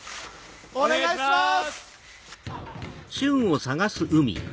お願いします！